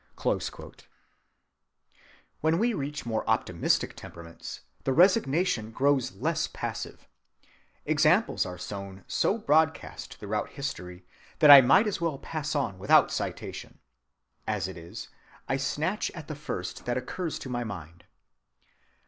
(169) When we reach more optimistic temperaments, the resignation grows less passive. Examples are sown so broadcast throughout history that I might well pass on without citation. As it is, I snatch at the first that occurs to my mind.